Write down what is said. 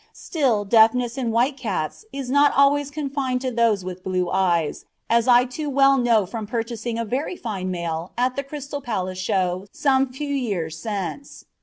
Still deafness in white cats is not always confined to those with blue eyes, as I too well know from purchasing a very fine male at the Crystal Palace Show some few years since.